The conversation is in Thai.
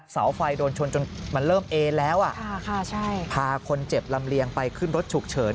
เสาไฟโดนชนจนมันเริ่มเอแล้วพาคนเจ็บลำเลียงไปขึ้นรถฉุกเฉิน